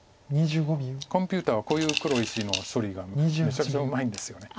コンピューターはこういう黒石の処理がめちゃくちゃうまいんですよね。